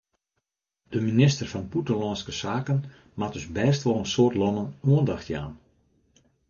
De minister fan Bûtenlânske Saken moat dus bêst wol in soad lannen oandacht jaan.